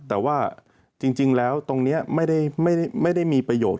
แต่ว่าจริงแล้วตรงนี้ไม่ได้มีประโยชน